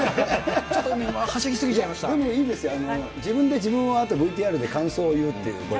ちょっとはしゃぎ過ぎちゃいでもいいですよ、自分で自分をあと、ＶＴＲで感想を言うっていう、これ。